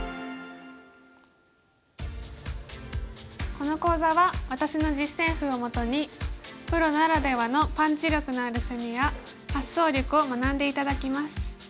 この講座は私の実戦譜をもとにプロならではのパンチ力のある攻めや発想力を学んで頂きます。